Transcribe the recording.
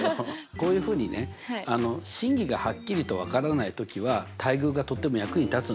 こういうふうにね真偽がはっきりと分からない時は対偶がとっても役に立つんですよ。